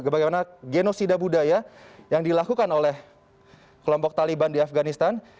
bagaimana genosida budaya yang dilakukan oleh kelompok taliban di afganistan